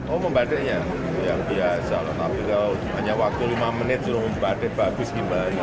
oh membatiknya yang biasa tapi kalau hanya waktu lima menit suruh membatik bagus gimana